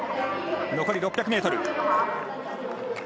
残り６００ｍ。